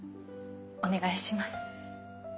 お願いします。